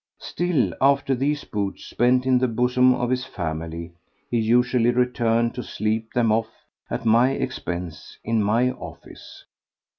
Still, after these bouts spent in the bosom of his family he usually returned to sleep them off at my expense in my office.